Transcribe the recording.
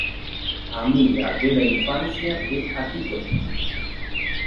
Amiga de la infancia de Akito.